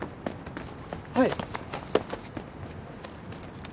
はい。